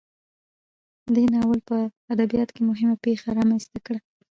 دې ناول په ادبیاتو کې مهمه پیښه رامنځته کړه.